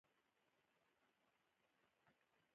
پیوند کول په کوم موسم کې ښه دي؟